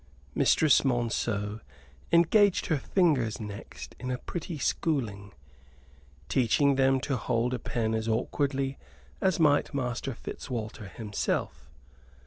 Mistress Monceux engaged her fingers next in a pretty schooling, teaching them to hold a pen as awkwardly as might Master Fitzwalter himself.